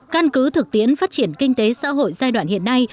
căn cứ thực tiễn phát triển kinh tế xã hội giai đoạn hiện nay